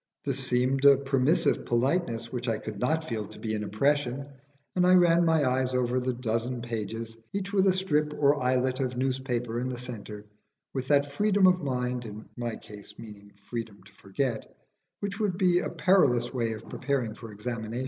This seemed a permissive politeness which I could not feel to be an oppression, and I ran my eyes over the dozen pages, each with a strip or islet of newspaper in the centre, with that freedom of mind (in my case meaning freedom to forget) which would be a perilous way of preparing for examination.